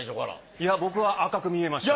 いや僕は赤く見えました。